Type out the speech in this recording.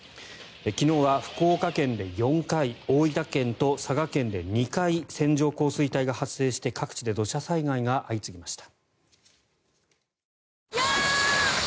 昨日は福岡県で４回大分県と佐賀県で２回線状降水帯が発生して各地で土砂災害が相次ぎました。